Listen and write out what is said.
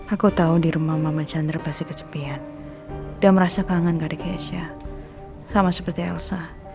aku tahu di rumah mama chandra pasti kesepian dan merasa kangen gak ada keesya sama seperti elsa